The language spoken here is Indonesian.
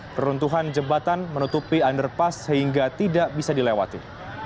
peruntuhan jembatan menutupi underpass sehingga tidak bisa dilewati